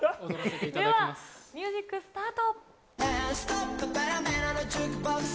ミュージックスタート！